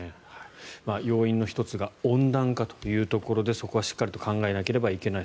要因の１つが温暖化というところでそこはしっかりと考えないといけない。